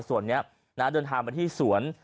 ส่วนนี้เดินทางมาที่สวน